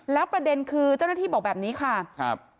แล้วประเด็นคือเจ้าหน้าที่บอกแบบนี้ค่ะครับ